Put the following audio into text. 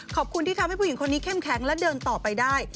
ขอบคุณที่ทำให้ผู้หญิงคนนี้เข้มแข็งและเดินต่อไปได้